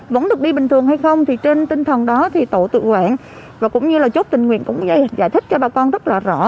vẫn được đi bình thường hay không thì trên tinh thần đó thì tổ tự quản và cũng như là chốt tình nguyện cũng giải thích cho bà con rất là rõ